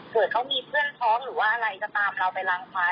เกิดเขามีเพื่อนพ้องหรือว่าอะไรจะตามเราไปรังความ